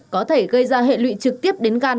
có thể gây ra hệ lụy trực tiếp đến gan